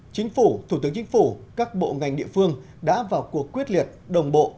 chính phủ thủ tướng chính phủ các bộ ngành địa phương đã vào cuộc quyết liệt đồng bộ